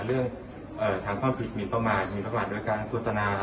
เรื่องถามความผิดมินประมาทด้วยการโฆษณา